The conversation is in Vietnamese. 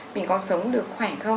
mình có sống được khỏe không